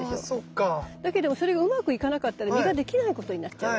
だけどもそれがうまくいかなかったら実ができないことになっちゃうわけね。